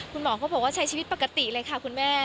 คุณหมอก็บอกว่าใช้ชีวิตปกติเลยค่ะคุณแม่